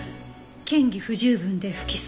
嫌疑不十分で不起訴。